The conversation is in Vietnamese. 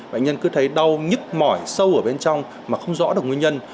bệnh nhân cứ thấy đau nhức mỏi sâu ở bên trong mà không rõ được nguyên nhân